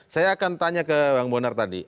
saya akan tanya ke bang bonar tadi